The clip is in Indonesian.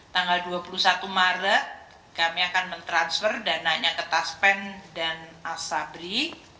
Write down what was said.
tanggal dua puluh satu maret kami akan mentransfer dananya ke taspen dan asabri